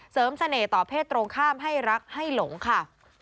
เสริมเศรษฐ์ต่อเพศตรงข้ามให้รักให้หลงค่ะ